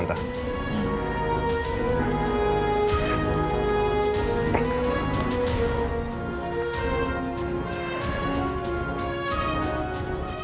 nyokap lu aman ren